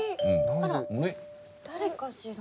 あらっ誰かしら？